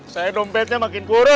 saya dompetnya makin kurus